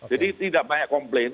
jadi tidak banyak komplain